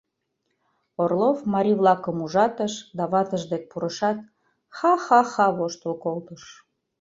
Орлов, марий-влакым ужатыш да ватыж дек пурышат, ха-ха-ха воштыл колтыш.